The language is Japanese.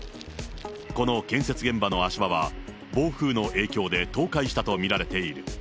この建設現場の足場は、暴風の影響で倒壊したと見られている。